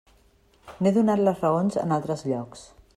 N'he donat les raons en altres llocs.